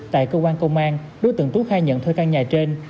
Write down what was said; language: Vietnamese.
tại cơ quan công an đối tượng tú khai nhận thuê căn nhà trên